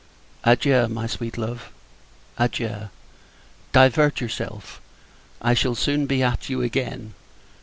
Adieu, my sweet love! adieu. Divert yourself I shall soon be at you again.